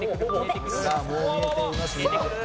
さあもう見えています。